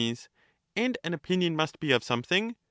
And an opinion must be of something